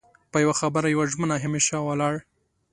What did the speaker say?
په يو خبره يوه ژمنه همېشه ولاړ